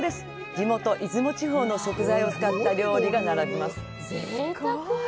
地元、出雲地方の食材を使った料理が並びます。